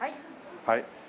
はい。